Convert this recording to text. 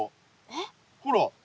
ほら。